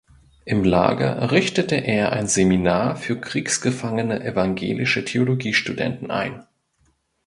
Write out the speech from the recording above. Im Lager richtete er ein Seminar für kriegsgefangene evangelische Theologiestudenten ein.